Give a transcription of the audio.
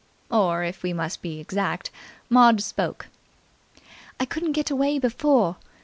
Or, if we must be exact, Maud spoke. "I couldn't get away before!"